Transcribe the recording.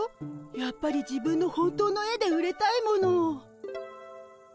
やっぱり自分の本当の絵で売れたいもの。